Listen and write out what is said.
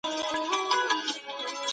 حکومت د بې وزلو ستونزي څیړي.